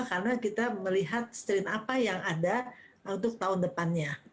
karena kita melihat strain apa yang ada untuk tahun depannya